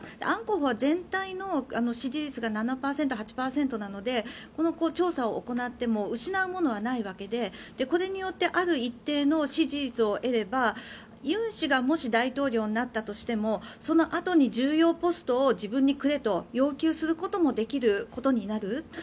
アン候補は全体の支持率が７％、８％なのでこの調査を行っても失うものはないわけでこれによってある一定の支持率を得ればユン氏がもし大統領になったとしてもそのあとに重要ポストを自分にくれと要求することもできることになる。